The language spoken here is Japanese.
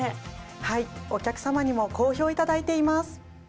はいお客さまにも好評いただいています。